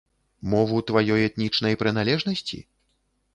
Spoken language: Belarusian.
Мову тваёй этнічнай прыналежнасці?